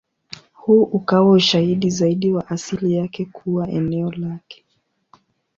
Huu ukawa ushahidi zaidi wa asili yake kuwa eneo lake.